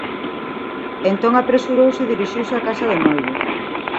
Entón apresurouse e dirixiuse á casa do noivo.